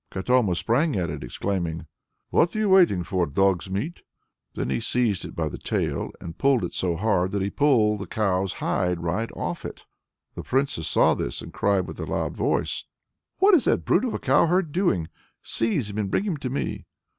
Katoma sprang at it, exclaiming "What are you waiting for, dog's meat?" Then he seized it by the tail, and pulled it so hard that he pulled the cow's hide right off! The Princess saw this, and cried with a loud voice: "What is that brute of a cowherd doing? Seize him and bring him to me!"